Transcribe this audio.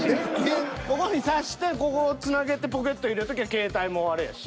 ここにさしてここをつなげてポケット入れときゃ携帯もあれやし。